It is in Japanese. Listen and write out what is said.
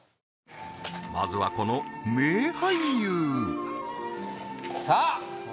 まずはこの名俳優さあ！